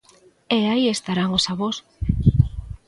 E aí estarán os avós.